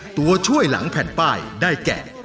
ตัวช่วยหลังแผ่นป้ายได้แก่